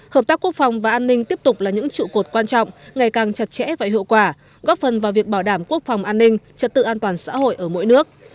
hợp tác quốc phòng và an ninh tiếp tục là những trụ cột quan trọng ngày càng chặt chẽ và hiệu quả góp phần vào việc bảo đảm quốc phòng an ninh trật tự an toàn xã hội ở mỗi nước